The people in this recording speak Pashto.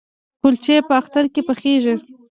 کلچې په اختر کې پخیږي؟